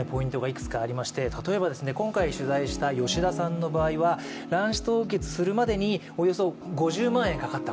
いくつかあって例えば、今回取材した吉田さんの場合は卵子凍結するまでにおよそ５０万円かかった、